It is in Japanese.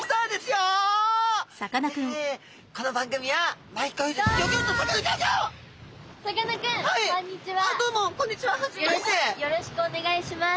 よろしくお願いします。